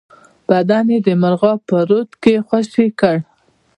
بدن یې د مرغاب په رود کې خوشی کړ.